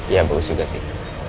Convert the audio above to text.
ya bagus juga sih